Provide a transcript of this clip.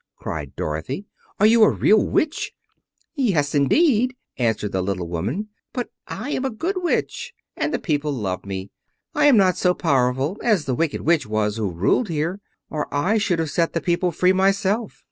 cried Dorothy. "Are you a real witch?" "Yes, indeed," answered the little woman. "But I am a good witch, and the people love me. I am not as powerful as the Wicked Witch was who ruled here, or I should have set the people free myself."